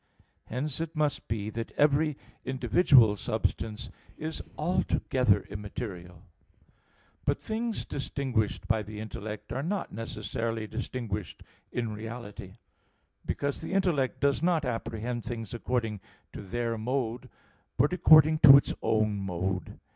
Hence it must be that every individual substance is altogether immaterial. But things distinguished by the intellect are not necessarily distinguished in reality; because the intellect does not apprehend things according to their mode, but according to its own mode.